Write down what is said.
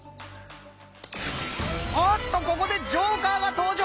おっとここでジョーカーが登場！